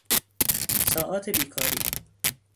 ساعات بیکاری